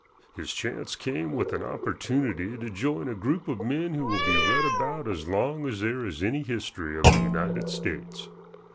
His chance came with an opportunity to join a group of men who will be read about as long as there is any history of the United States.